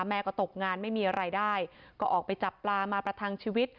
แม่ก็ตกงานไม่มีอะไรได้ก็ออกไปจับปลามาประทังชีวิต